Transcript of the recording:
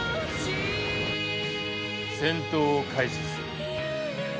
戦闘を開始する。